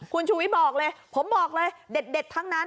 คุณชูวิทย์บอกเลยผมบอกเลยเด็ดทั้งนั้น